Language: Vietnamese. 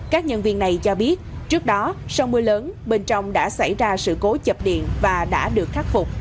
các nhân viên này cho biết trước đó sau mưa lớn bên trong đã xảy ra sự cố chập điện và đã được khắc phục